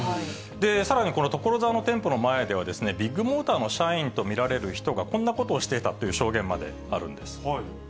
さらにこの所沢の店舗の前では、ビッグモーターの社員と見られる人が、こんなことをしていたという証言まであるんです。